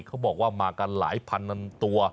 เขาบอกว่ามากันหลายพันตัว